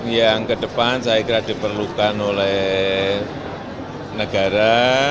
yang ke depan saya kira diperlukan oleh negara